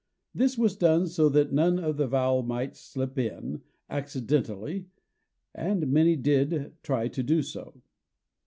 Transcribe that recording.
This was done so that none of that vowel might slip in, accidentally; and many did try to do so!